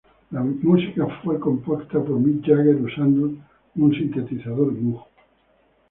La música fue compuesta por Mick Jagger usando un sintetizador Moog.